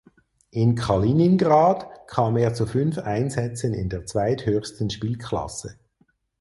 In Kaliningrad kam er zu fünf Einsätzen in der zweithöchsten Spielklasse.